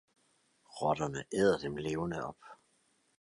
Rotterne æder dem levende op!